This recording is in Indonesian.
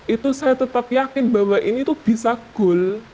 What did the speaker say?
itu saya tetap yakin bahwa ini tuh bisa goal